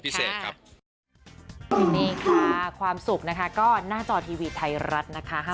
พิเศษครับ